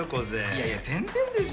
いやいや全然ですよ。